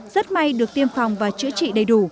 rất may được tiêm phòng và chữa trị đầy đủ